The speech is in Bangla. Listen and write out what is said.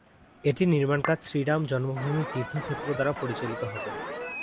এটির নির্মাণকাজ শ্রী রাম জন্মভূমি তীর্থ ক্ষেত্র দ্বারা পরিচালিত হবে।